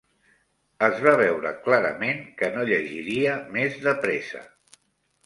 Es va veure clarament que no llegiria més depresa